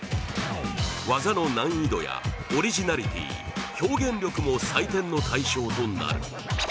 技の難易度やオリジナリティー、表現力も採点の対象となる。